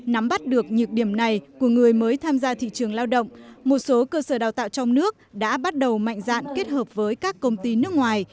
nắm bắt được nhược điểm này của người mới tham gia thị trường lao động một số cơ sở đào tạo trong nước đã bắt đầu mạnh dạn kết hợp với các công ty nước ngoài